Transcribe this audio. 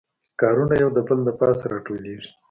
کارونه یو د بل پاسه راټولیږي